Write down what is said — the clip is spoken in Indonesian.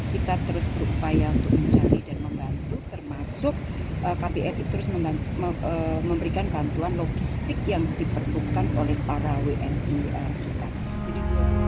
kita terus berupaya untuk mencari dan membantu termasuk kbri terus memberikan bantuan logistik yang diperlukan oleh para wni kita